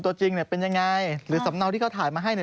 ตัวจริงเนี่ยเป็นยังไงหรือสำเนาที่เขาถ่ายมาให้เนี่ย